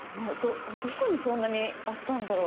どこにそんなにあったんだろう？